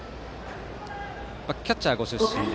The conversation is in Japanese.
キャッチャーご出身。